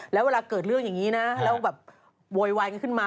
แล้วเวลาเกิดเรื่องอย่างนี้นะแล้วแบบโวยวายกันขึ้นมา